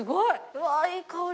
うわいい香り。